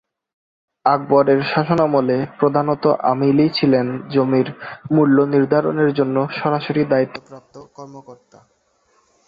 আকবর-এর শাসনামলে প্রধানত আমিলই ছিলেন জমির মূল্যনির্ধারণের জন্য সরাসরি দায়িত্বপ্রাপ্ত কর্মকর্তা।